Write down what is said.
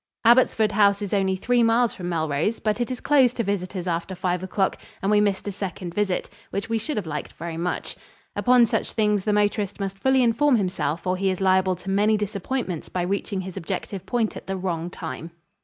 Abbottsford House is only three miles from Melrose, but it is closed to visitors after five o'clock and we missed a second visit, which we should have liked very much. Upon such things the motorist must fully inform himself or he is liable to many disappointments by reaching his objective point at the wrong time.